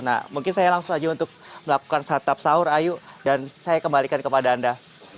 nah mungkin saya langsung aja untuk melakukan satap sahur ayu dan saya kembalikan kepada anda